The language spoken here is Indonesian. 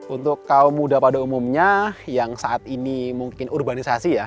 untuk kaum muda pada umumnya yang saat ini mungkin urbanisasi ya